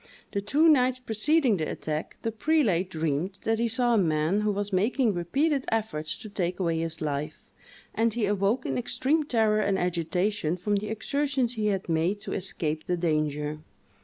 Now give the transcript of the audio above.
The two nights preceding the attack, the prelate dreamed that he saw a man who was making repeated efforts to take away his life, and he awoke in extreme terror and agitation from the exertions he had made to escape the danger.